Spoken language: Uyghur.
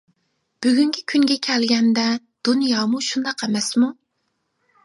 بۈگۈنكى كۈنگە كەلگەندە، دۇنيامۇ شۇنداق ئەمەسمۇ.